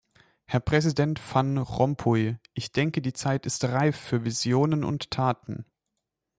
Herr Präsident Van Rompuy, ich denke die Zeit ist reif für Visionen und Taten.